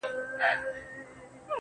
علم د راتلونکي رڼا ده.